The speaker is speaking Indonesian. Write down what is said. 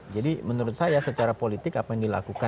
jadi menurut saya secara politik apa yang dilakukan